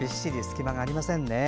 隙間がありませんね。